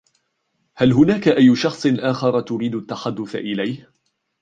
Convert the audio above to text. هل هناك أي شخص آخر تريد التحدث إليه؟